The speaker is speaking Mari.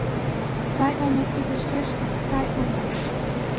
Сай омо тиде, шешкым, сай омо.